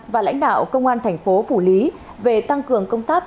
và lãnh đạo công an thành phố phủ lý về tăng cường công tác